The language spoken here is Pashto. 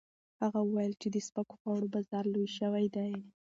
هغه وویل چې د سپکو خوړو بازار لوی شوی دی.